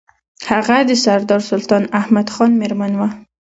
هغه د سردار سلطان احمد خان مېرمن وه.